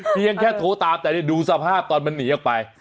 เพียงแค่โทรตามแต่ดูสภาพตอนมันหนีออกไป